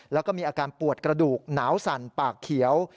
แล้วก็มีอาการปวดกระดูกหนาวสั่นปากเขียว